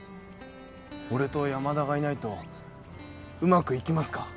俺と山田がいないとうまくいきますか？